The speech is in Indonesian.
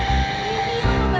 terima kasih bu